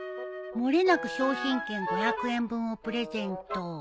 「もれなく商品券５００円分をプレゼント」